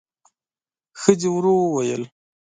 ښځې ورو وویل: